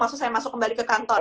maksud saya masuk kembali ke kantor